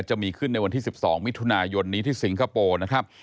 จะมีขึ้นในวันที่๑๒มิถุนายนนี้ที่สิงคโปร์นะครับ